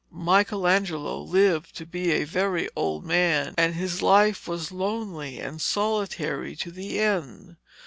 Michelangelo lived to be a very old man, and his life was lonely and solitary to the end.